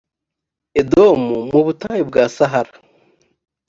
edomu mu butayu bwa sahara